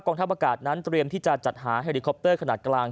ทัพอากาศนั้นเตรียมที่จะจัดหาเฮลิคอปเตอร์ขนาดกลาง